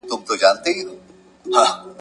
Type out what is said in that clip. په انګلستان کي یو شهزاده دی !.